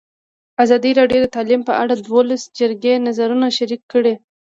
ازادي راډیو د تعلیم په اړه د ولسي جرګې نظرونه شریک کړي.